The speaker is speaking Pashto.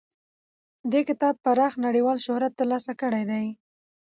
دې کتاب پراخ نړیوال شهرت ترلاسه کړی دی.